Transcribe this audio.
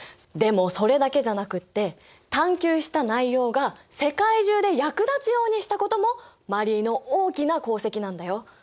でもそれだけじゃなくって探究した内容が世界中で役立つようにしたこともマリーの大きな功績なんだよ。